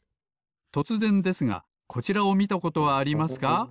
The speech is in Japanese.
とつぜんですがこちらをみたことはありますか？